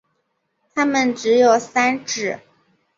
它们只有三趾。